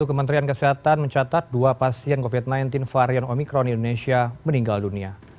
kementerian kesehatan mencatat dua pasien covid sembilan belas varian omikron indonesia meninggal dunia